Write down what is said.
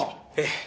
ええ。